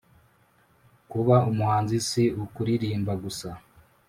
Kuba umuhanzi si ukuririmba gusa,